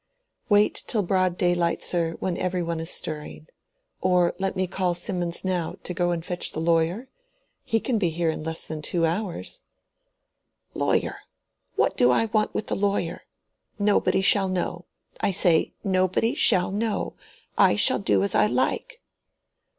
"Wait till broad daylight, sir, when every one is stirring. Or let me call Simmons now, to go and fetch the lawyer? He can be here in less than two hours." "Lawyer? What do I want with the lawyer? Nobody shall know—I say, nobody shall know. I shall do as I like."